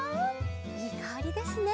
いいかおりですね。